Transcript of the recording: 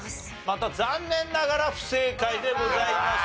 また残念ながら不正解でございます。